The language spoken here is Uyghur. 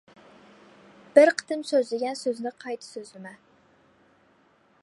بىر قېتىم سۆزلىگەن سۆزنى قايتا سۆزلىمە.